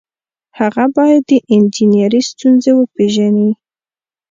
هغه باید د انجنیری ستونزې وپيژني.